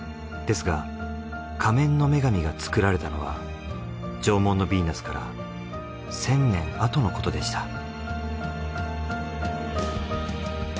ですが『仮面の女神』が作られたのは『縄文のビーナス』から１０００年あとのことでした。